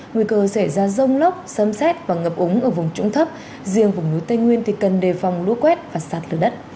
nguy cơ sẽ ra rông lốc xâm xét và ngập ống ở vùng trũng thấp riêng vùng núi tây nguyên thì cần đề phòng lúa quét và sạt lửa đất